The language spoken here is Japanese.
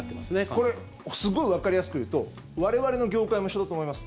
これすごいわかりやすく言うと我々の業界も一緒だと思います。